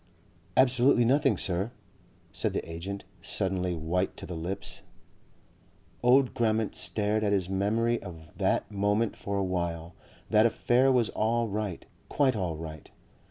"Absolutely nothing, Sir," said the agent, suddenly white to the lips.... Old Grammont stared at his memory of that moment for a while. That affair was all right, quite all right.